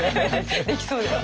できそうです。